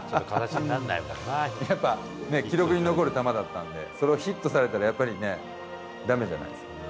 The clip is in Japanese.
やっぱ、ねっ、記録に残る球だったんで、それをヒットされたらやっぱりね、だめじゃないですか。